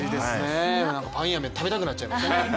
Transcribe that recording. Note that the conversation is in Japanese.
パインアメ食べたくなっちゃいましたね